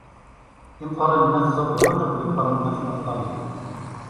Imeqqranen n wat Zabulun akked yimeqqranen n wat Naftali.